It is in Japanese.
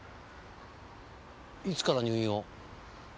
いつから入院を？